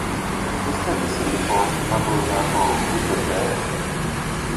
Τι στέκεσαι λοιπόν, Πανουργάκο, κουτεντέ;